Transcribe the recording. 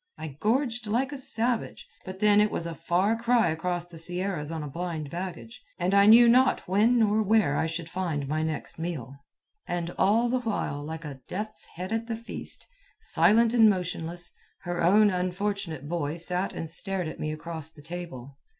I gorged like a savage; but then it was a far cry across the Sierras on a blind baggage, and I knew not when nor where I should find my next meal. And all the while, like a death's head at the feast, silent and motionless, her own unfortunate boy sat and stared at me across the table.